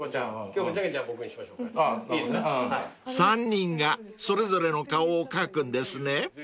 ［３人がそれぞれの顔を描くんですね］